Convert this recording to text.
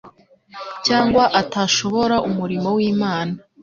cyangwa atashobora umurimo w'Imana.